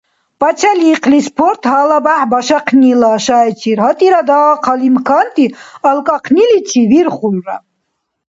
Пачалихъли спорт гьалабяхӏ башахънила шайчир гьатӏира дахъал имканти алкӏахъниличи вирхулра.